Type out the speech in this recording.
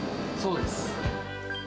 そうです。